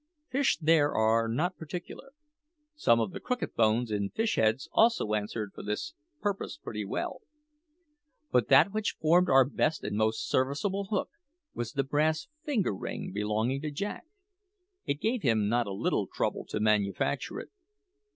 Fish there are not particular. Some of the crooked bones in fish heads also answered for this purpose pretty well. But that which formed our best and most serviceable hook was the brass finger ring belonging to Jack. It gave him not a little trouble to manufacture it.